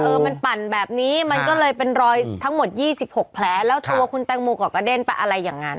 เออมันปั่นแบบนี้มันก็เลยเป็นรอยทั้งหมด๒๖แผลแล้วตัวคุณแตงโมก็กระเด็นไปอะไรอย่างนั้น